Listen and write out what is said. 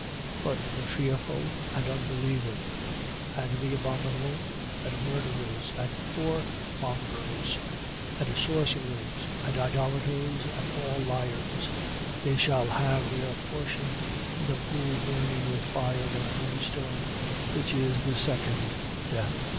21:8. But the fearful and unbelieving and the abominable and murderers and whoremongers and sorcerers and idolaters and all liars, they shall have their portion in the pool burning with fire and brimstone, which is the second death.